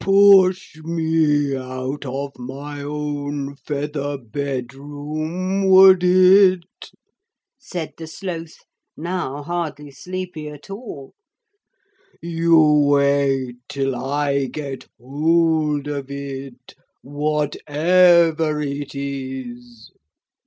'Push me out of my own feather bedroom, would it?' said the Sloth, now hardly sleepy at all. 'You wait till I get hold of it, whatever it is.'